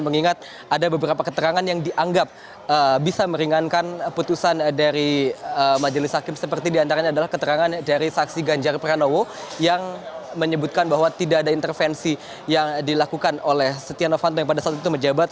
mengingat ada beberapa keterangan yang dianggap bisa meringankan putusan dari majelis hakim seperti diantaranya adalah keterangan dari saksi ganjar pranowo yang menyebutkan bahwa tidak ada intervensi yang dilakukan oleh setia novanto yang pada saat itu menjabat